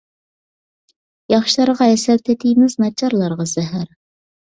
ياخشىلارغا ھەسەل تېتىيمىز، ناچارلارغا زەھەر!